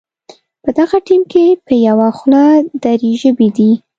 په دغه ټیم کې په یوه خوله درې ژبې دي.